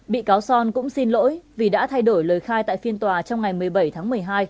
bị cáo son cũng xin lỗi vì đã thay đổi lời khai tại phiên tòa trong ngày một mươi bảy tháng một mươi hai